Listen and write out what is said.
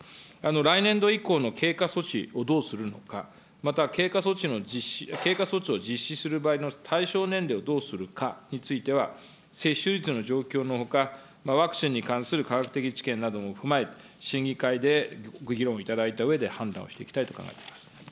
来年度以降の経過措置をどうするのか、また経過措置を実施する場合の対象年齢をどうするかについては、接種率の状況のほか、ワクチンに関する科学的知見なども踏まえ、審議会でご議論いただいたうえで判断していきたいと考えておりま